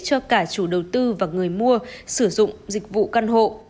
cho cả chủ đầu tư và người mua sử dụng dịch vụ căn hộ